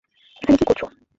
এখানে কি করছ?